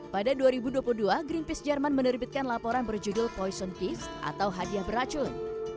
pada dua ribu dua puluh dua greenpeace jerman menerbitkan laporan berjudul poison kiev atau hadiah beracun